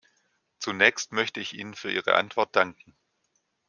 Zunächst möchte ich Ihnen für Ihre Antwort danken.